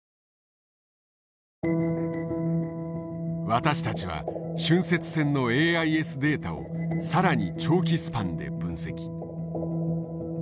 私たちは浚渫船のＡＩＳデータを更に長期スパンで分析。